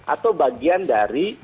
atau bagian dari